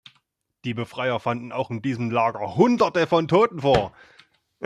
Die Befreier fanden auch in diesem Lager Hunderte von Toten vor.